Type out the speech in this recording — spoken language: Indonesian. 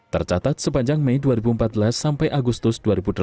tercatat sepanjang mei dua ribu empat belas sampai agustus dua ribu delapan belas